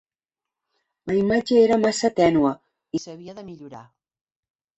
La imatge era massa tènue, i s'havia de millorar.